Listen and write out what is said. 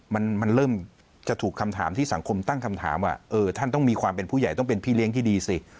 มันเริ่มจะถูกคำถามที่สังคมตั้งคำถามว่าเออท่านต้องมีความเป็นผู้ใหญ่ต้องเป็นพี่เลี้ยงที่ดีสิ